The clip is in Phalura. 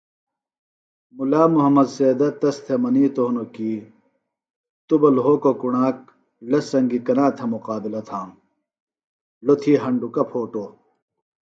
مُلا محمد سیدہ تس تھےۡ منِیتوۡ ہِنوۡ کی توۡ بہ لھوکو کݨاک ڑس سنگی کنا تھےۡ مقابلہ تھانوۡ ڑو تھی ہنڈوکہ پھوٹو